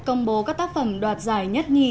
công bố các tác phẩm đoạt giải nhất nhì